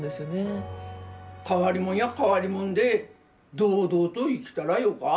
変わりもんや変わりもんで堂々と生きたらよか。